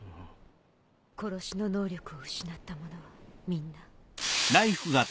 殺しの能力を失った者はみんな。